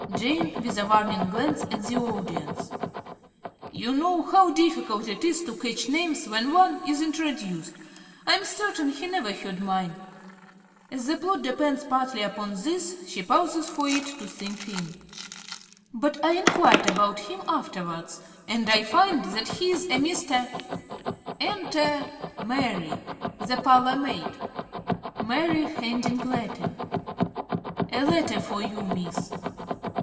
~Jane~ (with a warning glance at the audience). You know how difficult it is to catch names when one is introduced. I am certain he never heard mine. (As the plot depends partly upon this, she pauses for it to sink in.) But I enquired about him afterwards, and I find that he is a Mr. Enter Mary, the parlourmaid. ~Mary~ (handing letter). A letter for you, Miss.